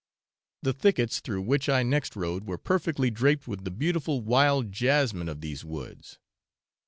The thickets through which I next rode were perfectly draped with the beautiful wild jasmine of these woods.